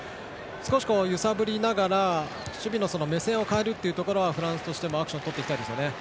少し揺さぶりながら守備の目線を変えるというところはフランスとしてもアクションをとっていきたいですよね。